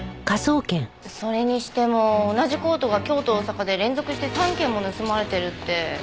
それにしても同じコートが京都大阪で連続して３件も盗まれてるって。